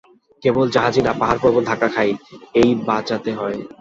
কেবল জাহাজ না পাহাড়-পর্বতে ধাক্কা খায়, এই বাঁচাতে হয়।